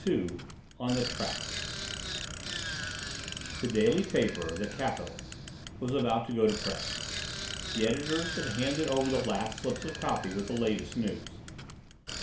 II ON THE TRACK The daily paper, The Capital, was about to go to press. The editors had handed over the last slips of copy with the latest news.